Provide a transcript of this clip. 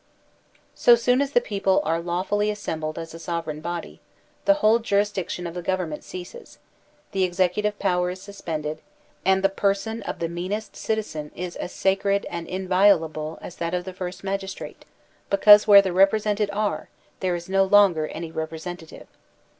So soon as the people are lawfully assembled as a sov ereign body, the whole jurisdiction of the government ceases, the executive i>ower is suspended, and the per son of the meanest citizen is as sacred and inviol able as that of the first magistrate, because where the represented are, there is no longer any repre sentative.